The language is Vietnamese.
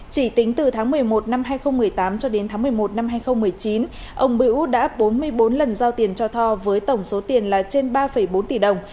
chỉ tính từ tháng một mươi một năm hai nghìn một mươi tám cho đến tháng một mươi một năm hai nghìn một mươi chín ông bữu đã bốn mươi bốn lần giao tiền cho tho với tổng số tiền là trên ba bốn tỷ đồng